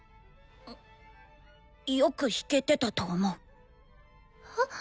よく弾けてたと思う。